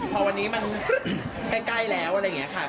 พอวันนี้มันใกล้แล้วอะไรอย่างนี้ค่ะ